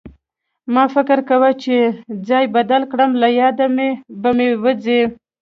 ما فکر کوه چې ځای بدل کړم له ياده به مې ووځي